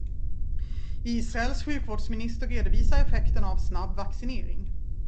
Israels sjukvårdsminister redovisar effekten av snabb vaccinering.